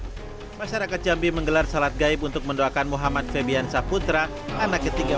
hai masyarakat jambi menggelar salat gaib untuk mendoakan muhammad fabian saputra anak ketiga